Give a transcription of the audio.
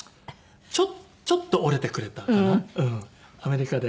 ちょっと折れてくれたかなアメリカで。